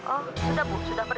oh sudah bu sudah pergi